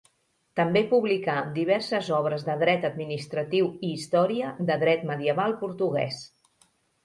També publicà diverses obres de dret administratiu i història de dret medieval portuguès.